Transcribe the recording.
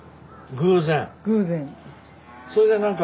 偶然。